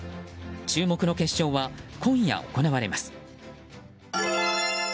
注目の決勝は今夜行われます。